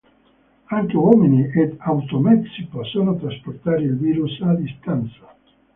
Anche uomini ed automezzi possono trasportare il virus a distanza.